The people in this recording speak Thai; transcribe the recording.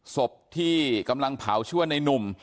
ศพที่กำลังเผาชื่อว่าในนุ่ม